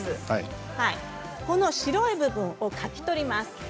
この白い部分をかき取ります。